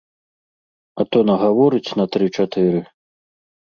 А то нагаворыць на тры-чатыры.